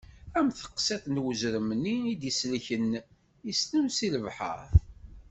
Am teqsiṭ n wezrem-nni i d-isellken islem seg lebḥer.